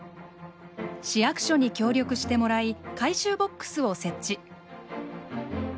市役所に協力してもらい回収ボックスを設置。